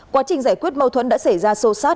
quá trình giải quyết mâu thuẫn đã xảy ra sâu sát